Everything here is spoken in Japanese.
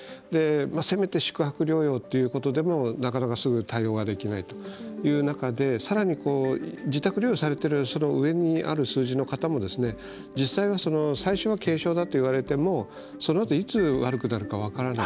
せめて宿泊療養ということでもなかなかすぐに対応ができないという中でさらに、自宅療養されている上にある数字の方も実際は最初は軽症だといわれてもそのあといつ悪くなるか分からない。